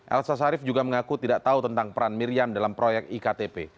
elsa sharif juga mengaku tidak tahu tentang peran miriam dalam proyek iktp